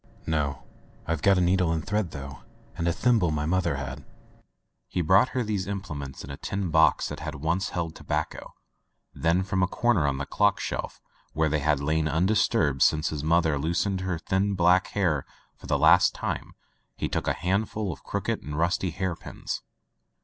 " Digitized by LjOOQ IC Interventions "No. Tvc got a needle and thread, though, and a thimble my mother had/' He brought her these implements in a tin box that had once held tobacco. Then from a comer on the clock shelf, where they had lain undisturbed since his mother loosed her thin black hair for the last time, he took a handful of crooked and rusty hair pins.